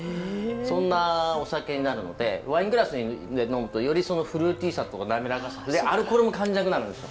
そんなお酒なのでワイングラスで呑むとよりそのフルーティーさと滑らかさアルコールも感じなくなるんですよ。